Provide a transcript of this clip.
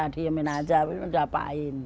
diamin aja tapi udah apaan